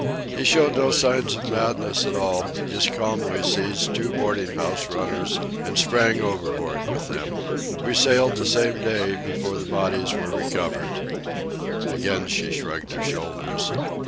He showed no signs of madness at all; just calmly seized two boarding house runners and sprang overboard with them. We sailed the same day, before the bodies were recovered." Again she shrugged her shoulders.